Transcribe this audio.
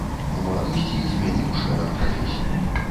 У маладосці змяніў шэраг прафесій.